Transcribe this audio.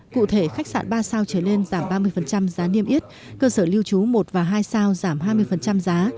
cụ thể khách sạn ba sao trở lên giảm ba mươi giá niêm yết cơ sở lưu trú một và hai sao giảm hai mươi giá